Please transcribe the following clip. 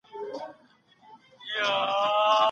ایا تاسو به دا ذهني ازادي ترلاسه کړئ؟